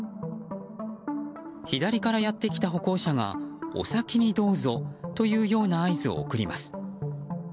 左からやってきた歩行者がお先にどうぞというような合図を送ります。